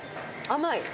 甘い。